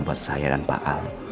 buat saya dan pak al